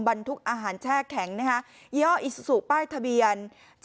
บรรทุกอาหารแช่แข็งย่ออิซูป้ายทะเบียน๗๗